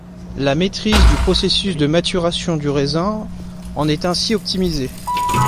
La maîtrise du processus de maturation du raisin en est ainsi optimisée.